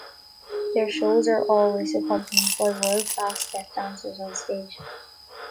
Their shows are always accompanied by world-class step dancers on stage.